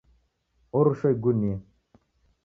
Orushwa igunia